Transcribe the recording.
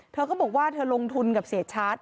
เธอก็บอกว่าเธอลงทุนกับเศษชัตริย์